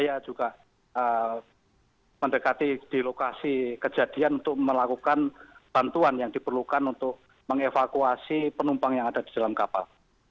saya juga mendekati di lokasi kejadian untuk melakukan bantuan yang diperlukan untuk mengevakuasi penumpang yang ada di dalam kapal